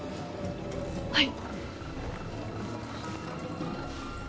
はい。